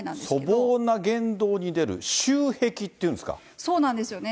粗暴な言動に出る、そうなんですよね。